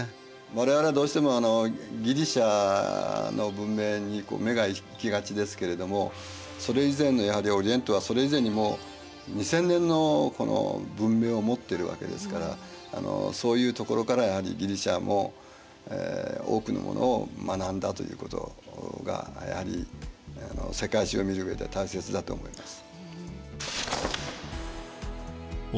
我々はどうしてもギリシアの文明に目が行きがちですけれどもそれ以前のやはりオリエントはそれ以前にもう２０００年の文明を持ってるわけですからそういうところからやはりギリシアも多くのものを学んだということがやはり世界史を見るうえでは大切だと思います。